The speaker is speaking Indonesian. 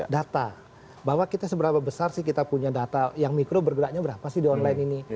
data bahwa kita seberapa besar sih kita punya data yang mikro bergeraknya berapa sih di online ini